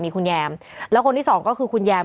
มีคุณแยมแล้วคนที่สองก็คือคุณแยม